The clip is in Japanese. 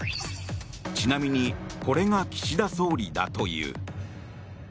ちなみにこれが岸田総理だという。